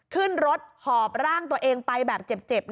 ขึ้นรถหอบร่างตัวเองไปแบบเจ็บ